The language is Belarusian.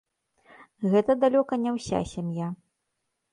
Гэта далёка не ўся сям'я.